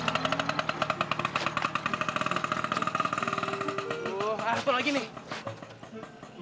aduh ada lagi nih